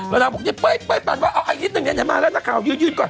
แล้วนางบอกไปปานว่าเอาอันนิดนึงอย่ายังมาแล้วนะครัวยืนก่อน